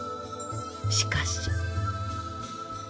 しかし。